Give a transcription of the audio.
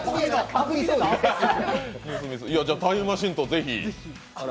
タイムマシーンとぜひロケ。